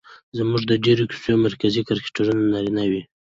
زموږ د ډېرو کيسو مرکزي کرکټرونه نارينه وي